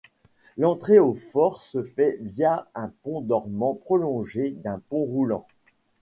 L'entrée au fort se fait via un pont dormant prolongé d'un pont roulant.